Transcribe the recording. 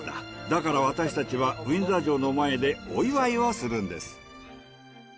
だから私たちはウィンザー城の前でお祝いをするんです。